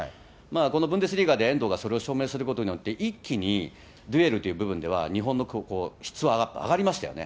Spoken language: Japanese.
このブンデスリーガで、遠藤がそれを証明することによって、一気に、デュエルっていう部分では日本の質は上がりましたよね。